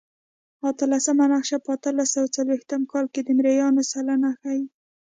اتلسمه نقشه په اتلس سوه څلوېښت کال کې د مریانو سلنه ښيي.